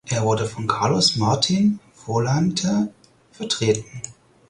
Er wurde von Carlos Martin Volante vertreten.